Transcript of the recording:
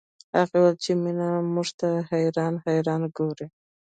هغې وويل چې مينه موږ ته حيرانه حيرانه ګوري